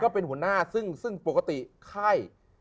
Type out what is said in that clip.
เป็นหัวหน้าซึ่งปกติไข้